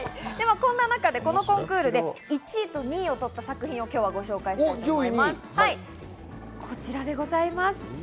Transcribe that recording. こんな中でこのコンクールで１位と２位を取った作品をご紹介します。